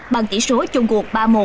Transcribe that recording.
bằng kỷ số chung cuộc ba một